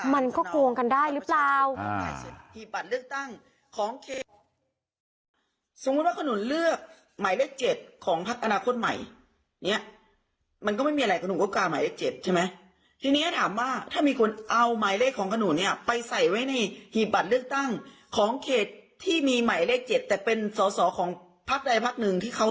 มันก็โกงกันได้หรือเปล่า